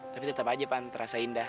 tapi tetap aja pan terasa indah